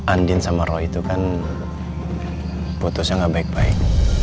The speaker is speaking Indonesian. andin sama roh itu kan putusnya gak baik baik